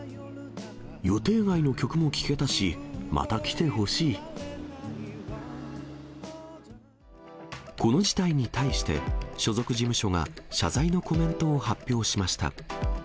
予定外の曲も聴けたし、この事態に対して、所属事務所が謝罪のコメントを発表しました。